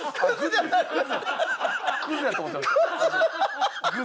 「クズ」やと思った。